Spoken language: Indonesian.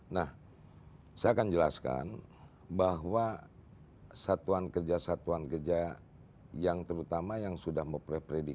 nah saya akan jelaskan bahwa satuan kerja satuan kerja yang terutama yang sudah mempredikat wbk dan wbbm ini